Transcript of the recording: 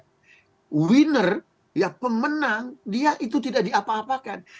pemenang ya pemenang dia itu tidak diapa apakan